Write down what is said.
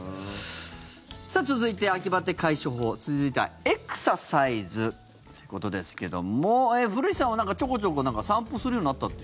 続いて、秋バテ解消法続いてはエクササイズということですけども古市さんは、ちょこちょこ散歩するようになったって。